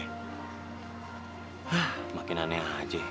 hah makin aneh aja